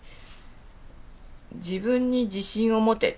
「自分に自信をもて」。